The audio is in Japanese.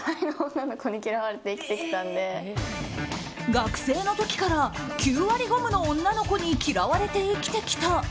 学生の時から９割５分の女の子に嫌われて生きてきた。